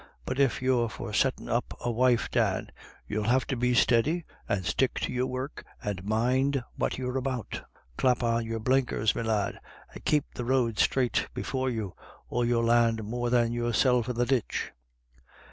But if you're for setting up a wife, Dan, you'll have to be steady, and stick to your work, and mind what you're about Clap on your blinkers, me lad, and keep the road straight before you, or you'll land more than your self in the ditch."